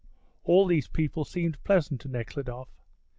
All these people seemed pleasant to Nekhludoff.